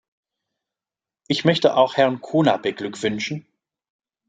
Ich möchte auch Herrn Cunha beglückwünschen.